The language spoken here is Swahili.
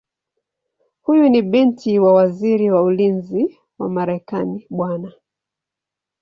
Huyu ni binti wa Waziri wa Ulinzi wa Marekani Bw.